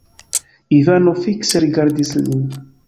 Ivano fikse rigardis lin.